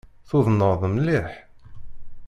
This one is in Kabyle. Tudneḍ mliḥ.